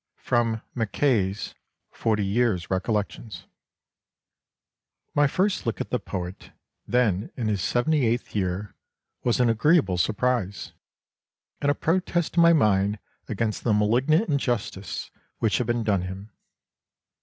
'" [Sidenote: Mackay's Forty Years' Recollections.] "My first look at the poet, then in his seventy eighth year, was an agreeable surprise, and a protest in my mind against the malignant injustice which had been done him.